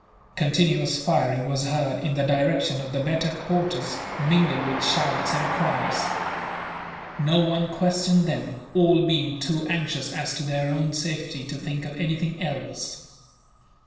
Continuous firing was heard in the direction of the better quarters, mingled with shouts and cries. No one questioned them, all being too anxious as to their own safety to think of anything else.